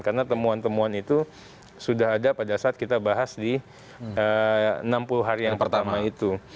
karena temuan temuan itu sudah ada pada saat kita bahas di enam puluh hari yang pertama itu